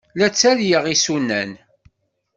La ttalyeɣ isunan.